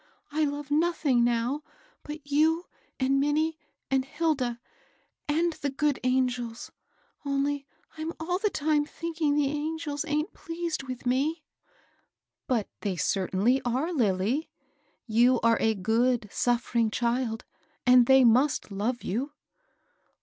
I love nothing now but you and Minnie and Hilda — and the good angels ; only I'm all the time thinking the angels aint pleased with me." But they certainly are, Lilly ; you are a good, suffering child, and they must love you."